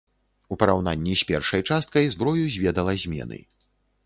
У параўнанні з першай часткай, зброю зведала змены.